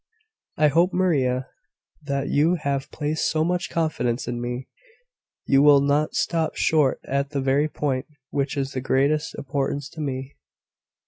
"I hope, Maria, that as you have placed so much confidence in me, you will not stop short at the very point which is of the greatest importance to me."